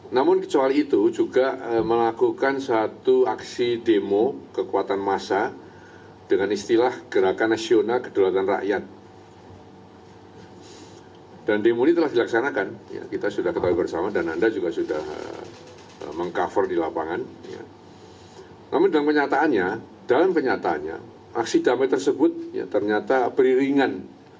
namun dalam kenyataannya aksi damai tersebut ternyata beriringan